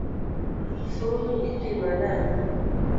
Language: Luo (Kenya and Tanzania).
Fulu ipimo nang’o?